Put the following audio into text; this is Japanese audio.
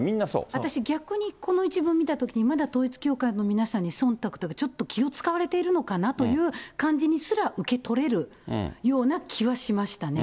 私逆にこの一文を見たときに、まだ統一教会の皆さんにそんたくとか、ちょっと気を遣われているのかなという感じにすら受け取れるような気はしましたね。